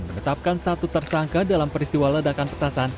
menetapkan satu tersangka dalam peristiwa ledakan petasan